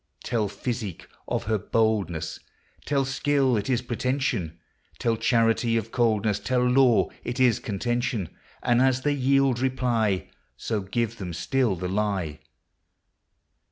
Tell physicke of her boldnesse ; Tell skill it is pretension ; Tell charity of coldnesse ; Tell law it is contention; And as they yield reply, So give them still the lye.